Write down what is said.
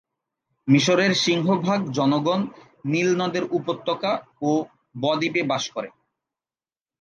মিশরের সিংহভাগ জনগণ নীল নদের উপত্যকা ও ব-দ্বীপে বাস করে।